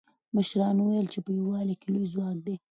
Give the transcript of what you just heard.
مشرانو وویل چې په یووالي کې لوی ځواک دی.